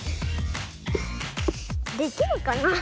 できるかな？